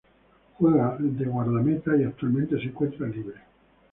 Juega de guardameta y actualmente se encuentra libre.